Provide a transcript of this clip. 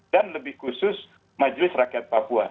dan lebih khusus majelis rakyat papua